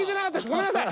ごめんなさい。